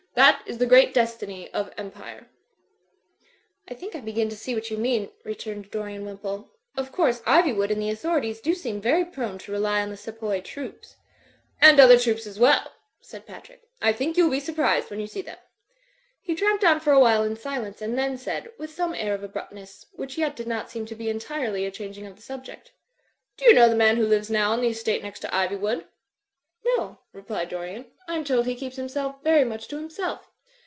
That is the great destiny of Empire." "I think I begin to see what you mean,'^ returned Dorian Wimpole. "Of course Iv3rwood and the au thorities do seem very prone to rely on the sepoy troops," Digitized by CjOOQ IC THE MARCH ON IVYWOOD 297 "And other troops as well/' said Patrick. " I think you will be surprised when you see them." He tramped on for a while in silence and then said, with some air of abruptness, which yet did not seem to be entirely a changing of the subject, *'Do you know the man who lives now on the estate next to Iv3rwood?" ''No/' replied Dorian, "I am told he keeps himself very much to himself."